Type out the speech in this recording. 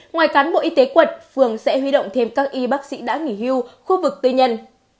ngoài cán bộ y tế quận phường sẽ huy động thêm các y bác sĩ đã nghỉ hưu khu vực tư nhân